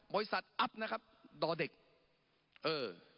บริษัทอัพนะครับดอเด็กเออ